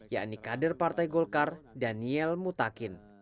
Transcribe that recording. yakni kader partai golkar daniel mutakin